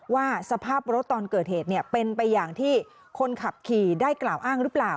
ว่าสภาพรถตอนเกิดเหตุเป็นไปอย่างที่คนขับขี่ได้กล่าวอ้างหรือเปล่า